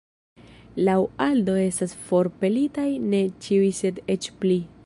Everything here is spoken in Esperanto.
Laŭ Aldo estas forpelitaj ne ĉiuj sed eĉ pli.